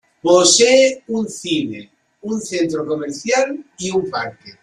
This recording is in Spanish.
Posee un cine, un centro comercial y un parque.